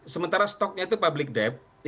sementara stoknya itu public debt